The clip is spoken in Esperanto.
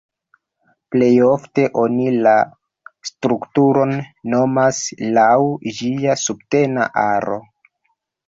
Plej ofte oni la strukturon nomas laŭ ĝia subtena aro.